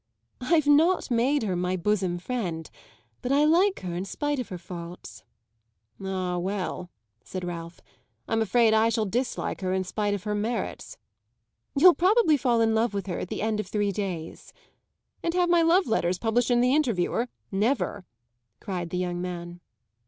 "I've not made her my bosom friend; but I like her in spite of her faults." "Ah well," said Ralph, "I'm afraid I shall dislike her in spite of her merits." "You'll probably fall in love with her at the end of three days." "And have my love letters published in the Interviewer? Never!" cried the young man.